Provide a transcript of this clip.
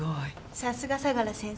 さすが相良先生。